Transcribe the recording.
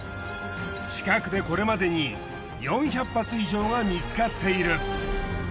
近くでこれまでに４００発以上が見つかっている。